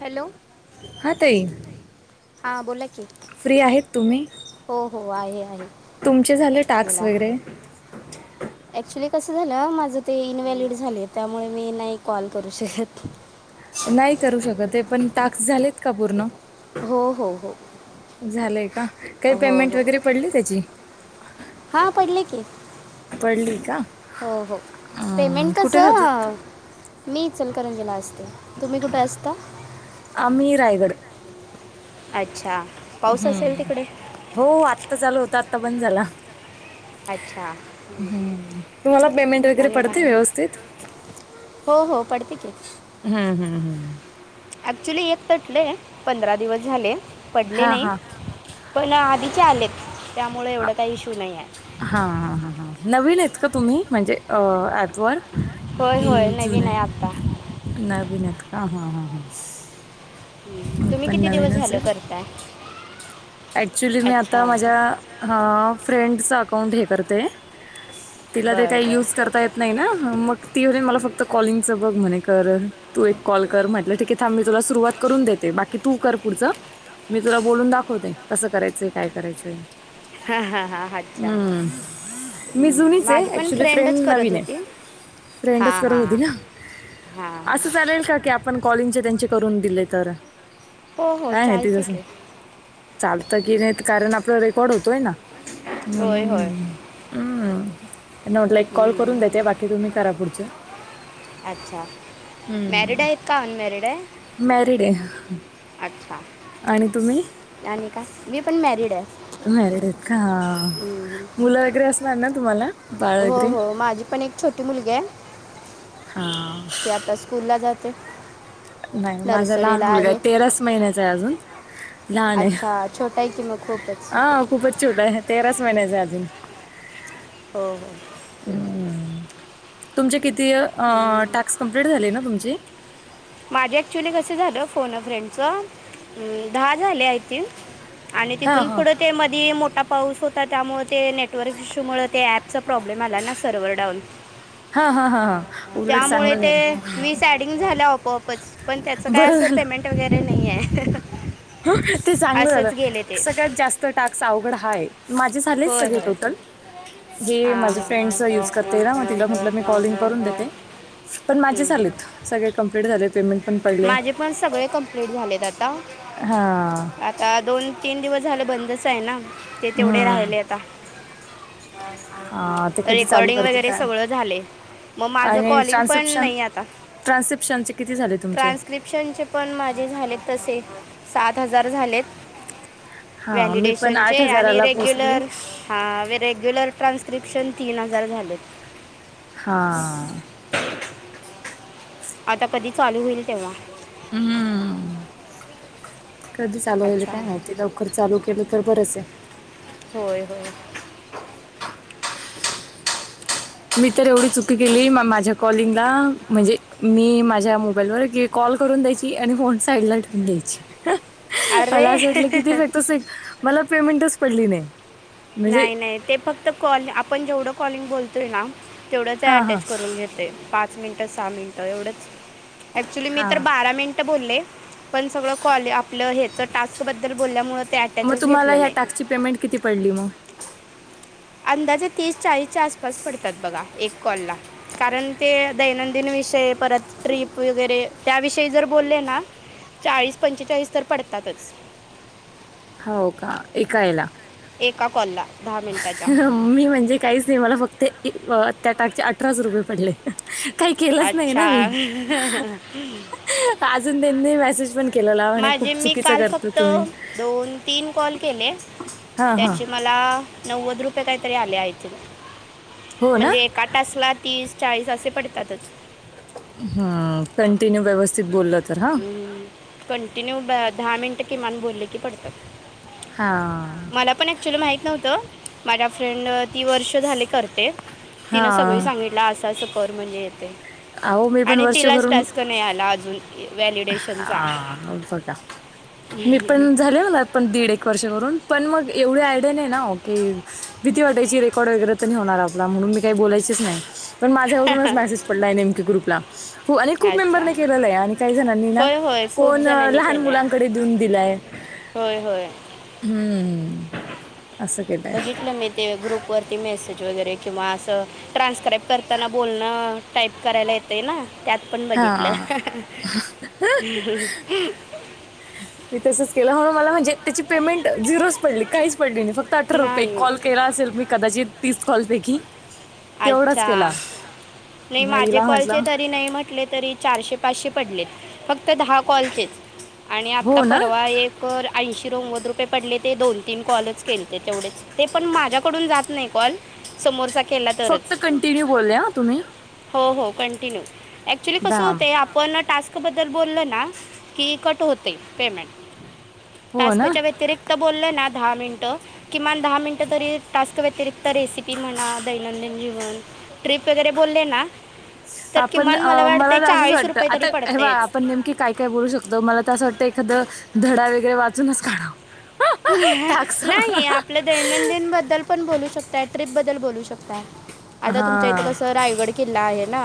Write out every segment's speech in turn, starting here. Hello हा ताई हां बोला की फ्री आहेत तुम्ही? हो हो आहे आहे. तुमचे झाले टाक्स वगैरे? ऍक्च्युली कसं झालं माझं ते इनवॅलिड झाले त्यामुळे मी नाही कॉल करू शकतं. नाही करू शकत ते पण टाक्स झालेत का पूर्ण? हो हो हो झालंय का? काही हो पेमेंट हो वगैरे पडली त्याची? हां पडले की. पडली का हो हो अं, पेमेंट कुठे राहतात कसं मी इचलकरंजीला असते, तुम्ही कुठं असता? आम्ही रायगड. अच्छा. पाऊस असेल हम्म, तिकडे हो आत्ता चालू होता आत्ता बंद झाला. अच्छा हम्म तुम्हाला पेमेंट वगैरे आणि का पडते व्यवस्थित? हो हो पडते की. हम्म हम्म हम्म. ॲक्च्युली एक तटलंय पंधरा दिवस झाले पडले हां नाही. हां पण आधीचे आलेत त्यामुळे एवढं काय इशू नाही आहे. हा हा हा ह, नवीन आहेत का तुम्ही म्हणजे ॲपवर होय की होय नवीन जुने? आहे आत्ता नवीन आहेत का हा हा हा. तुम्ही किती दिवस झालं आहे करताय? ॲक्च्युली मी आता अच्छा माझ्या हा फ्रेंडचं अकाउंट हे करते. तिला ते बरं काही बरं युज करता येत नाही ना मग ती मला फक्त कॉलिंगचं बघ म्हणे कर. तू एक कॉल कर, म्हटलं ठीक आहे थांब मी तुला सुरुवात करून देते बाकी तू कर पुढचं. मी तुला बोलून दाखवते कसं करायचंय काय करायचंय. हा हा हा अच्छा. मी हम्म, जुनीचं माझी आहे पण ऍक्च्युली फ्रेंड फ्रेंडच करत नवीन आहे. होती फ्रेंडच हां करत हां होती हां ना, असं हां चालेल का की आ पण कॉलिंगचे त्यांचे करून दिले तर. हो हो काय नाही ती चालतं जसं की. चालतं की नाहीत कारण आपला रेकॉर्ड होतोय ना होय म्हणून. होय हम्म त्यांना म्हटलं एक कॉल हम्म, करून देते बाकी तुम्ही करा पुढचे. अच्छा. मॅरिड हम्म, आहेत का अनमॅरिड आहे मॅरिड आहे. अच्छा. आणि तुम्ही? आणि काय? मी पण मॅरिड आहे. मॅरिड आहेत का हा, मुलं वगैरे असणार ना तुम्हाला? बाळ हो वगैरे हो माझी पण एक छोटी मुलगी आहे. हा. ती आता स्कूलला जाते. नाही माझा लहान मुलगा आहे तेराच महिन्याचा आहे अजून लहान आहे. अच्छा छोटा आहे की मग. खूपच हा खूपचं छोटा आहे, तेराचं महिन्याचा आहे अजून. हो हो. हम्म तुमचे किती अ टास्क कंप्लीट झाले ना तुमचे? माझे ॲक्च्युली कसं झालं फोन अ फ्रेंडचं दहा झाले आहे ती. आणि हां तिथून हां पुढं ते मध्ये मोठा पाऊस होता. त्यामुळेळ ते नेटवर्क इशूमुळे ते ॲपचा प्रॉब्लेम आला ना, सर्व्हर डाऊन हा, हा, हा हा, उलट त्यामुळे चांगलं झालं. ते झालं आपोआपच पण त्याच काय बरं अस झालं पेमेंट वगैरे, नाहीे. ते चांगलं झालं. ते सगळ्यात जास्त टास्क अवघड हा आहे. माझे झालेत होय सगळे होय टोटल. हे हां माझ्या फ्रेंडचा युज करते ना मग तिला म्हटलं मी कॉलिंग करून देते. पण माझे हम्म, हम्म. झालेत. सगळे कंप्लीट झाले पेमेंट पण पडले. माझे पण सगळे कंप्लीट झालेत आता. हा! आता दोन तीन दिवस झाले बंदच आहे ना ते तेवढे हम्म. राहिले आता. हां ते कधी चालू रेकॉर्डिंग करतील वगैरे' काय सगळं झाले. मग माझ आणि कॉलिंग पण ट्रान्सक्रिप्शन नाही आता ट्रान्सक्रिप्शनचे किती झाले तुमचे ट्रानसलीप - - - ऑप्शनचे पण माझे झाले तसे सात हजार झालेत. हां मी पण व्हॅलिडेशन आठ चे आणि हजाराला रे, पोचली हा रेग्युलर ट्रान्स्क्रिप्शन तीन हजार झाले. हा! आता कधी चालू होईल तेव्हा. हम्म! कधी चालू होईल अच्छा काय माहिती. ते लवकर चालू केलं तर बरंच आहे. होय होय मी तर एवढी चुकी केली माझ्या. कॉलिंगला म्हणजे मी माझ्या मोबाईलवर ये कॉल करून द्यायची आणि फोन साईडला ठेवून द्यायची. अरे मला असं वाटलं किती फक्त मला पेमेंटच पडली नाही. म्हणजे नाही नाही ते फक्त कॉल आपण जेवढं कॉलिंग बोलतोय ना. तेवढंच ते हां हां अटॅच करून घेते पाच मिनिटं सहा मिनिटं एवढंच. ऍक्च्युली मी तर, हां बारा मिनिट ते बोले पण, सगळ कॉल आपलं हेच टास्क बद्दल बोल्यामुळे. मग तुम्हाला हया टॅक्सची पेमेंट किती पडली मग. अंदाजे तीस चाळीसच्या आसपास पडतात, बघा एक कॉलला. कारण, ते दैनंदिन विषय परत ट्रीप वगैरे त्याविषयी जर बोलले ना. चाळीस पंचेचाळीस तर पडतातच. हो का एका यला. एका कॉलला दहा मिनिटाच्या. मी म्हणजे काहीच नाही. मला फक्त त्या टाकचे अठराच रुपये पडले. काही केलंच नाही. ना अच्छा मी अजून त्यांनी मेसेज पण केलेला म्हणे माझे खूप मी चुकीचं काल करतो फक्त तुम्ही दोन, तीन, कॉल केले हां हां त्याचे म मला नव्वद रुपये काही तरी आले काहीतरी हो आय ना थिंक काट असला तीस चाळीस असे पडतातच. हम! कंटिन्यू व्यवस्थित बोलत. हम्म, कंटिन्यू दहा मिनटं किमान बोलले की पडतात. हा मला पण ऍक्च्युअली माहित नव्हतं. माझ्या फ्रेंडन तीन वर्ष झाले करते हा तिनं सगळी सांगितलं असं असं कर म्हणजे. अहो मी पण आणि वर्ष तिलाच भरून टास्क नाही आला अजून. व्हॅलिडेशनचा हा, मग तर काय. मी पण झालिये [unintelligible] पण दीड, एक वर्ष करून पण मग एवढे आयडिया नाही ना की, भीती वाटायची रेकॉर्ड वगैरे होणार आपला, म्हणून मी काही बोलायचेच नाही. पण माझ्यावरूनच मेसेज पडला आहे नेमके ग्रुपला. हो खूप अच्छा मेंबरने केलेलं आहे आणि काही जणांनी ना, होय होय खूप फोन जणांनी लहान केलं आहे मुलांकडे देऊन दिलाय. होय होय. हम्म. असं केलंय बघितलं मी ते ग्रुप वरती मेसेज वगैरे किंवा असं ट्रान्सक्राईब करताना बोलणं टाईप करायला येतय ना. त्यात पण बघितलं. हा मी तसच केलं, अहो मला म्हणजे त्याची पेमेंट झिरोच पडली. काहीच पडली नाही, फक्त अठरा रुपये. एक नाही कॉल केला असेल, मी कदाचित तीस कॉलपैकी. तेवढाच केला. अच्छा नाही मग माझे हिला कॉलचे, म्हटलं तरी नाही म्हटले तरी चारशे, पाचशे पडले. फक्त दहा कॉलचेच आणि आत्ता हो ना परवा एक कर ऐंशी, नव्वद रुपये पडले, ते दोन, तीन कॉलच केले. ते तेवढेच. ते पण माझ्याकडून जात नाही कॉल समोरचा केला तरच फक्त कंटिन्यू बोलले हा तुम्ही हो हो, कंटिन्यू. ऍक्च्युली कसं दाम होतय आ पण टास्कबद्दल बोललं ना की, कट होतय पेमेंट हो ना टास्कच्या व्यतिरिक्त बोललय ना दहा मिनिट. किमान दहा मिनिट तरी टास्क व्यतिरिक्त रेसिपी म्हणा, दैनंदिन जीवन, ट्रिप वगैरे बोलले ना. तर आपण किमान अं मला वाटते तर असंच चाळीस वाटत. रुपये तरी आता हे बघा पडतेच आपण नेम की काय काय बोलू शकतो, मला तर असं वाटतं एखाद धडा वगैरे वाचूनच काढावं. टाक्स [unintelligible] हा नाही. आपलं दैनंदिन बद्दल पण बोलू शकताय, ट्रिप बद्दल बोलू शकता. आता तुमच्या इथं कसं रायगड किल्ला आहे ना,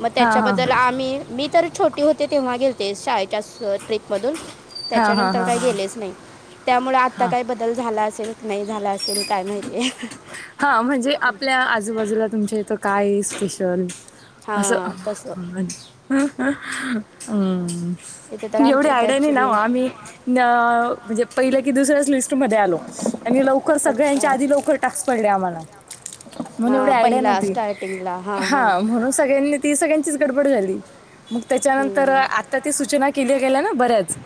मग हा हा त्याच्याबद्दल आम्ही, मी तर छोटी होते तेव्हा गेल ते शाळेच्या ट्रिपमधून, हा हा हा त्याच्यानंतर काय हा गेलेच नाही. त्यामुळे आता हा काही बदल झाला असेल, नाही झाला असेल, काय माहितीय. हा म्हणजे आपल्या आजूबाजूला, तुमच्या इथं काये स्पेशल? असं. हां तसं हम्म. इथे तर एवढी आमच्या इथं आयडिया नाही ना ओ ॲक्च्युली आम्ही अं म्हणजे पहिल्या की दुसऱ्याच लिस्ट मध्ये आलो, आणि लवकर अच्छा सगळ्यांच्या आधी लवकर टास्क पडले आम्हाला म्हणून एवढी हां आयडिया पहिला नव्हती. स्टार्टिंगला हां हां हा म्हणून सगळ्यांनी ती सगळ्यांचीच गडबड झाली. मग त्याच्यानंतर हम्म, हम्म. आता त सूचना केल्या गेल्या ना बऱ्याच,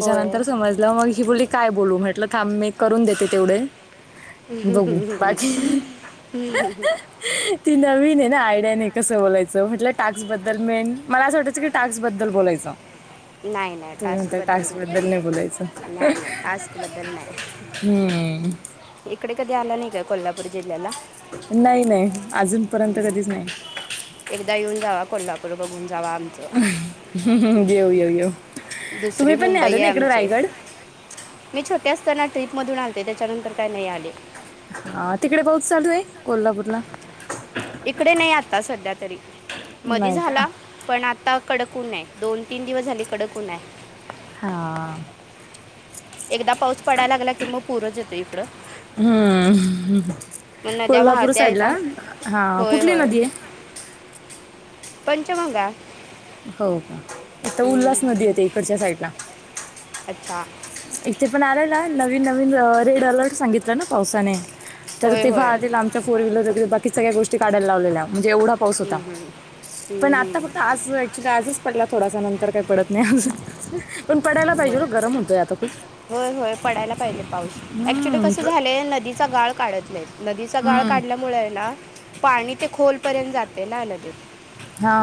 होय समजलं मग ही बोलली काय बोलू? म्हटलं, थांब मी करून देते तेवढे बघू बाकी [unintelligible] ती नवीन आहे ना. आयडिया नाही कसं बोलायचं. म्हटलं, टास्क बद्दल मेन मला असं वाटायचं की टास्क बद्दल बोलायचं. नाही नाही तुम्ही म्हणता, टास्कबद्दल टाक्स बद्दल नाही बोलायच. नाही नाही टास्कबद्दल नाही हम्म. इकडे कधी आला नाही का कोल्हापूर जिल्ह्याला? नाही नाही अजूनपर्यंत कधीच नाही. एकदा येऊन जावा, कोल्हापूर बघून जावा आमच. येऊ येऊ येऊ तुम्ही दुसरी पण नाही मुंबई आला आहे ना इकड आमची रायगड मी छोटी असताना ट्रिप मधून आलते. त्याच्यानंतर काय नाही आले. हां तिकडे पाऊस चालू आहे कोल्हापूरला? इकडे नाही आत्ता सध्या तरी मधी नाही का झाला. पण आता कडक ऊन आहे. दोन तीन दिवस झाले कडक ऊन आहे. हां एकदा पाऊस पडायला लागला की मग पुरच येतोय इकड. हम्म नद्या कोल्हापूर वाहत्या साईडला येतात हा होय कुठली होय नदी आहे? पंचगंगा. हो का इथ हम्म, उल्हास नदी येते इकडच्या साईडला. अच्छा इथे पण आलना नवीन नवीन रेड अलर्ट सांगितला ना पावसाने. तर होय तेव्हा होय आधी हम्म, लांबच्या फोर व्हीलर बाकी सगळ्या गोष्टी काढायला लावलेल्या म्हणजे एवढा पाऊस होता. हम्म, हम्म, पण आता हम्म. फक्त आज ऍक्च्युली आजच पडला थोडासा नंतर काही पडत नाही अजून. पण पडयला पाहिजे होय हो गरम होतय आता खूप. होय होय पडायला पाहिले पाऊस, ऍक्च्युली हम्म, कस प- झालय नदीचा गाळ काढत नाहीत. नदीचा गाळ हम्म, काढल्यामुळय ना पाणी ते खोल पर्यंत जातय ना नदीत.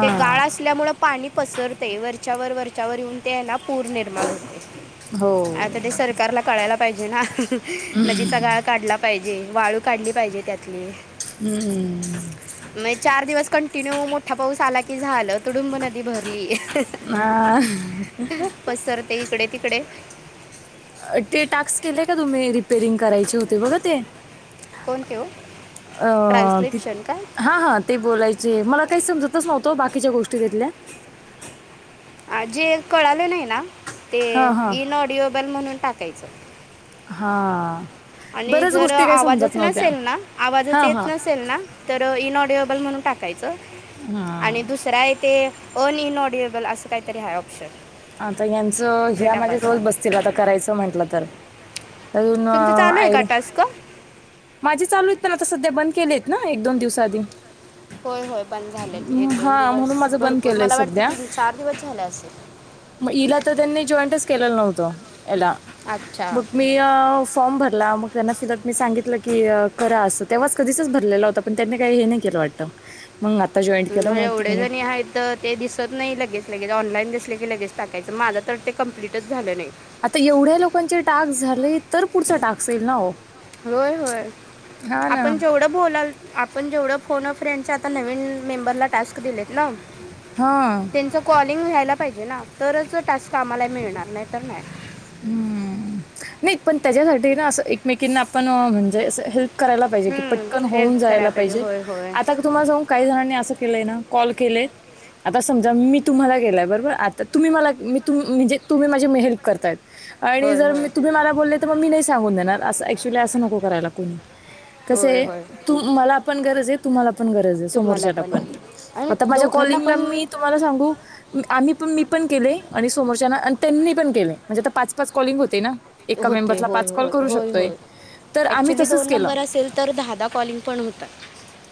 ते गाळ असल्यामुळ पाणी पसरतय वरच्यावर वरच्यावर येऊन ते हायना पूर निर्माण होतो हो आता ते सरकारला कळायला पाहिजे ना, नदीचा गाळ काढला पाहिजे. वाळू काढली पाहिजे त्यातली. हम्म मग चार दिवस कंटिन्यू मोठा पाऊस आला की झाल तुडुंब नदी भरलीये. हा. पसरते इकडे तिकडे. ते टास्क केले का तुम्ही रिपेरिंग करायचे होते बघ ते. कोणते हो अ ट्रान्स्क्रिप्शन का हां हां ते बोलायचे मला काही समजतच नव्हत बाकीच्या गोष्टी त्यातल्या. अ जे कळाल नाही ना ते हा हा इन ऑडिओबल म्हणून टाकायच. हां आणि जर आवाजच नसेल ना, आवाजच हा येत हा नसेल ना. तर इनऑडिएबल म्हणून टाकायच. आणि दुसर आहे ते अनइनऑडिएबल अस काहीतरी आहे ऑप्शन. आता ह्यांच ते ह्या माझ्या टाकायचं जवळ बसतील आता करायच म्हंटल तर. अजून तुमचं चालू आहे का आयडिया. टास्क माझे चालू आहेत पण आता सध्या बंद केलेत ना एक दोन दिवस आधी. होय होय बंद झालय ते एक दोन हा दिवस म्हणून माझं बंद भरपूर केलंय मला वाटते सध्या तीन चार दिवस झाले असेल. मग हिला तर त्यांनी जॉईंटच केलेल नव्हत याला अच्छा मग मी फॉर्म भरला मग त्यांना फिडबॅक मी सांगितल की करा अस तेव्हाच कधीचाच भरलेला होता. पण त्यांनी काही हे नाही केल वाटत मग आता जॉईंट केल हम्म, मग ती एवढे म्हणे. जणी आहेत तर ते दिसत नाही लगेच लगेच ऑनलाईन दिसले की लगेच टाकायच. माझ तर ते कम्प्लीटच झाल नाही. आता एवढ्या लोकांचे टास्क झाले तर पुढचा टास्क येईल ना हो. होय होय हा ना. आपण जेवढ बोलाल. आपण जेवढ फोन अ फ्रेंडचे आता नवीन मेंबरला टास्क दिलेत ना हा त्यांचं कॉलिंग व्यायला पाहिजे ना तरच टास्क आम्हाला मिळणार नाही तर नाही. हम्म, नाही पण त्याच्यासाठी ना असं एकमेकींना आपण म्हणजे असं हेल्प करायला पाहिजे की, पटकन होऊन हेल्प करायला जायला पाहिजे होय होय आता तुम्हाला सांगु काही जणांनी असं केलंय ना कॉल केलेय आता समजा मी तुम्हाला गेलाय बरोबर आता तुम्ही मला मी तुम म्हणजे तुम्ही माझे म हेल्प करताय आणि होय जर मी होय तुम्ही मला बोलले तर मग मी नाही सांगून देणार असं ऍक्च्युली असं नको करायला कोणी, कसं होय हे होय तू मला आपण गरज आहे तुम्हाला पण गरज आहे समोरच्याला पण आणि आता माझ्या दोघांना कॉलिंगला पण मी तुम्हाला सांगू आम्ही पण मी पण केले आणि समोरच्या ना आणि त्यांनी पण केले. म्हणजे आता पाच पाच कॉलिंग होते ना एका होते मेंबरला होय पाच कॉल होय करू होय शकतोय होय तर आम्ही ऍक्च्युली तसंच दोन केलं नंबर असेल तर दहा दहा कॉलिंग पण हो तात.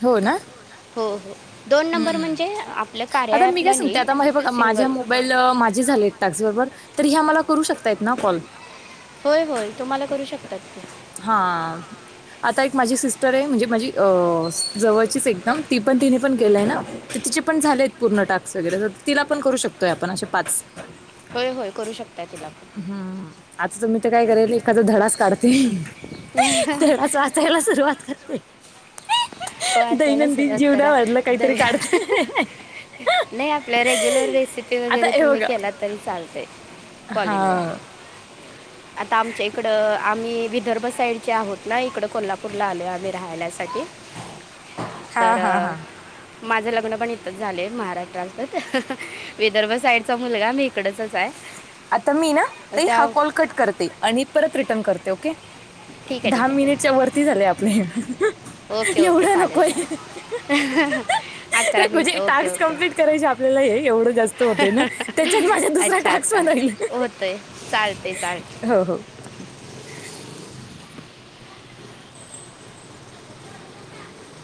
हो ना? हो हो दोन नंबर म्हणजे आपलं कार्या ॲपला नाही सिंगल. पाहिल माझे झाले आहेत टक्स बर, तर ह्या मला करू शकतायत ना कॉल? होय होय तुम्हाला करू शकतात ते. हा आता एक माझी सिस्टर आहे, म्हणजे माझी अ जवळचीच एकदम ती पण तिने पण केलंय हम्म. ना तर तिचे पण झालेत पूर्ण टास्क वगैरे तर तिला पण करू शकतोय आपण असे पाच. होय होय करू शकतो. हा हा. आता तु मी तर काय करेल एखादा धडाच काढते धडाच वाचायला सुरुवात करते. वाचायला दैनंदिन सुरुवात करा जीवनावरलं द काहीतरी काढते. नाही आपल्या रेग्युलर रेसिपी आता वगैरे हे तुम्ही बघा केलात तरी चालतय कॉलिंगवर. ह आता आमच्या इकडं आम्ही विदर्भ साईडचे आहोत ना. इकडं कोल्हापूरला आलो आम्ही राहायण्यासाठी, हां, तर हां, हां. माझं लग्न पण इथच झालय महाराष्ट्रातच विदर्भ साईडचा मुलगा मी इकडचाच हाय. आता मी ना त हा कॉल कट करते, आणि परत रिटर्न करते ओके. ठीक आहे दहा ठीक मिनिटच्या वरती झालय आपल हे आहे ओके ओके एवढं चालेल नकोये चालेल अकरा म्हणजे मिनटं ओके टास्क ओके कमप्लीट करायचं आपल्याला एवढ जास्त होत ना, त्याच्यात माझं दुसरा टास्क पण होईल होतय चालतय चालतय. हो हो.